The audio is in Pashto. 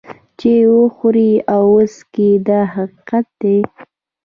چې وخوري او وڅکي دا حقیقت دی.